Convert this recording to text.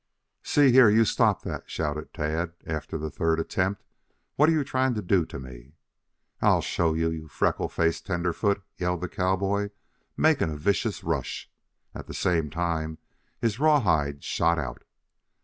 "See here, you stop that!" shouted Tad after the third attempt. "What are you trying to do to me?" "I'll show you, you freckle faced tenderfoot!" yelled the cowboy, making a vicious rush. At the same time his rawhide shot out.